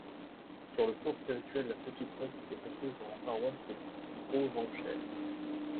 Sur le plan spirituel, la Petite-Fosse était comprise dans la paroisse de Provenchères.